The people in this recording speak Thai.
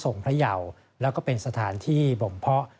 กรรมทรงพระเหงียวแล้วก็เป็นสถานที่บ่มเพาะ